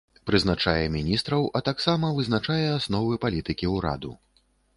Прызначае міністраў, а таксама вызначае асновы палітыкі ўраду.